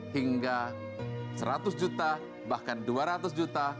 hingga seratus juta bahkan dua ratus juta